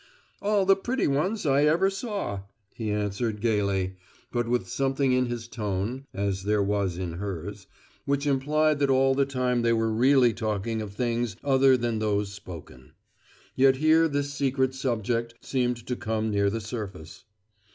"All the pretty ones I ever saw," he answered gayly, but with something in his tone (as there was in hers) which implied that all the time they were really talking of things other than those spoken. Yet here this secret subject seemed to come near the surface.